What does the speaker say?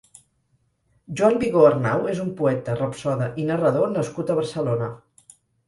Joan Vigó Arnau és un poeta, rapsode i narrador nascut a Barcelona.